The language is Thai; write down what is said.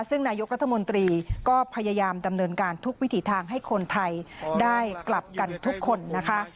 ซึ่งนายกรัฐมนตรีก็พยายามดำเนินการทุกวิถีทางให้คนไทยได้กลับกันทุกคนนะคะ